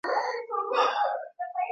Wameenda wapi?